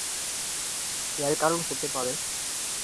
এর কারণ হতে পারে।